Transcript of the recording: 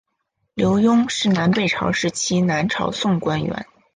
刘邕是南北朝时期南朝宋官员。